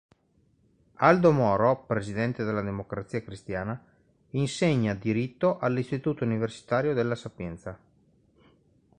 Aldo Moro, presidente della Democrazia Cristiana, insegna diritto all'istituto universitario della Sapienza.